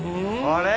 あれ？